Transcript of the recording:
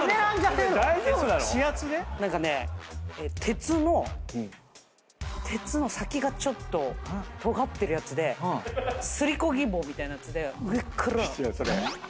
鉄の鉄の先がちょっととがってるやつですりこ木棒みたいなやつで上から。